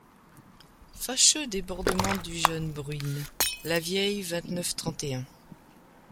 Fascheux desportemens du ieune Bruyn Lavieille vingt-neuf trente et un.